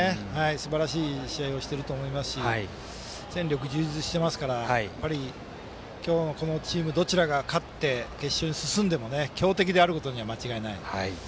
すばらしい試合をしていると思いますし戦力充実してますから今日のこのチームどちらが勝って決勝に進んでも強敵であることには間違いない。